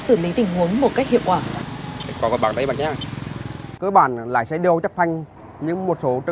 xử lý tình huống một cách hiệu quả